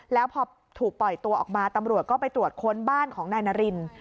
แล้วพอถูกปล่อยตัวออกมาตำรวจก็ไปตรวจค้นบ้านของนายนาริน